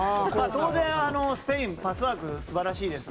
当然、スペインはパスワークが素晴らしいです。